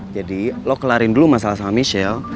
jadi lo kelarin dulu masalah sama michelle